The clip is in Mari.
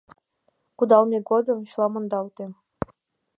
Кудалме годым чыла мондалте.